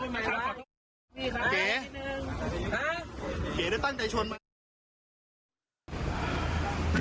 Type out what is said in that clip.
เก๊ได้ตั้งใจชน